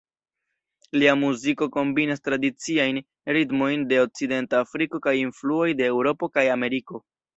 Lia muziko kombinas tradiciajn ritmojn de Okcidenta Afriko kaj influoj de Eŭropo kaj Ameriko.